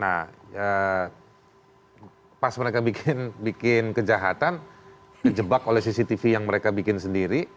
nah pas mereka bikin kejahatan dijebak oleh cctv yang mereka bikin sendiri